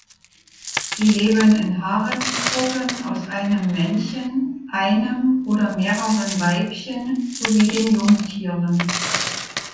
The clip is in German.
Sie leben in Haremsgruppen aus einem Männchen, einem oder mehreren Weibchen sowie den Jungtieren.